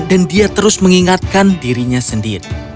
dan dia terus mengingatkan dirinya sendiri